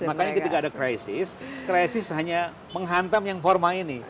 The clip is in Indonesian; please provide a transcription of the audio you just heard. makanya ketika ada krisis krisis hanya menghantam yang formal ini